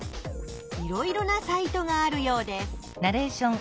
いろいろなサイトがあるようです。